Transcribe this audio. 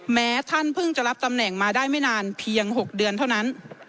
แม้ท่านเพิ่งจะรับตำแหน่งมาได้ไม่นานเพียง๖เดือนเท่านั้น